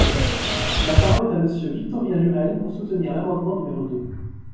La parole est à Monsieur Victorin Lurel, pour soutenir l’amendement numéro deux.